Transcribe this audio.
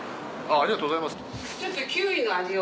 ありがとうございます。